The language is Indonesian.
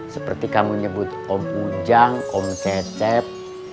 seperti kamu nyebut om ujang om cecep